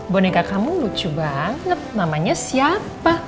boneka kamu lucu banget namanya siapa